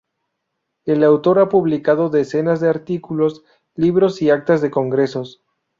El autor ha publicado decenas de artículos, libros y actas de congresos.